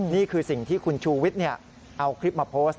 นี่คือสิ่งที่คุณชูวิทย์เอาคลิปมาโพสต์